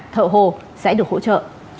thợ hồ sẽ được hỗ trợ